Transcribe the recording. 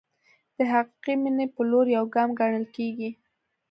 د حقیقي مینې په لور یو ګام ګڼل کېږي.